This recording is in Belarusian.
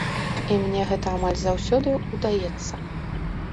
І мне гэта амаль заўсёды ўдаецца.